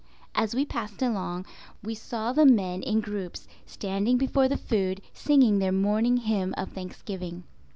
As we passed along, we saw the men in groups standing before the food singing their morning hymn of thanksgiving.